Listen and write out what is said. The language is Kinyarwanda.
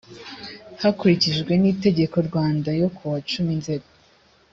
hakurikijwe itegeko rwanda n yo kuwa cumi nzeri